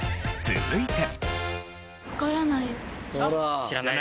続いて。